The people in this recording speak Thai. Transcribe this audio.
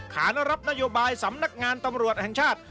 ขานรับนโยบายสำนักงานตำรวจแห่งชาติ